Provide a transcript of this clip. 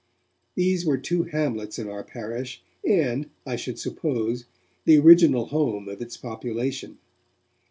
These were two hamlets in our parish, and, I should suppose, the original home of its population.